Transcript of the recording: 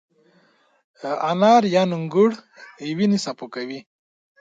انار د وینې صفا کوي.